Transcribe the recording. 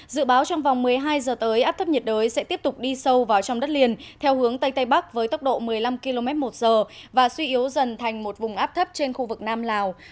dự báo trong vòng một mươi hai giờ tới áp thấp nhiệt đới sẽ tiếp tục đi sâu vào trong đất liền theo hướng tây tây bắc với tốc độ một mươi năm km một giờ và suy yếu dần thành một vùng áp thấp trên khu vực nam lào